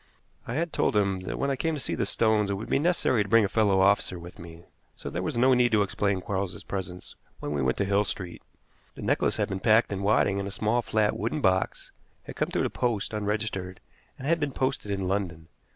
I had told him that when I came to see the stones it would be necessary to bring a fellow officer with me, so there was no need to explain Quarles's presence when we went to Hill Street. The necklace had been packed in wadding in a small, flat, wooden box, had come through the post, unregistered, and had been posted in London.